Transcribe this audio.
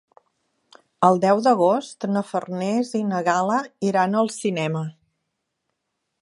El deu d'agost na Farners i na Gal·la iran al cinema.